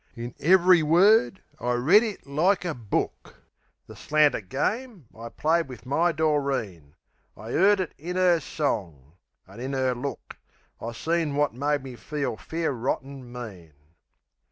In ev'ry word I read it like a book The slanter game I'd played wiv my Doreen I 'eard it in 'er song; an' in 'er look I seen wot made me feel fair rotten mean.